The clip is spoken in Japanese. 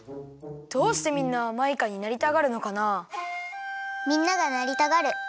どうしてみんなマイカになりたがるのかな？